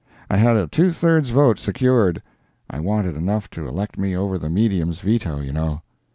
I had a two thirds vote secured—I wanted enough to elect me over the medium's veto, you know.